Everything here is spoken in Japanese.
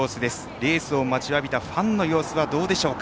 レースを待ちわびたファンの様子はどうでしょうか。